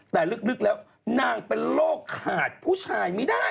แต่ลึกแล้วนางเป็นโรคขาดผู้ชายไม่ได้